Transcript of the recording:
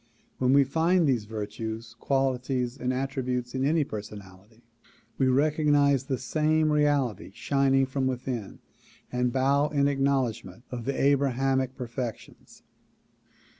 When we find these virtues, qualities and attrib utes in any personality, we recognize the same reality shining from within and bow in acknowledgment of the Abrahamic perfections.